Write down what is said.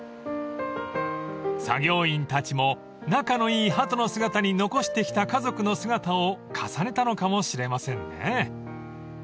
［作業員たちも仲のいいハトの姿に残してきた家族の姿を重ねたのかもしれませんね］